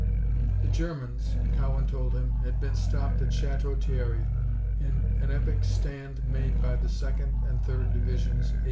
The Germans, Cowan told him, had been stopped at Chateau Thierry in an epic stand made by the 2nd and 3rd Divisions, A.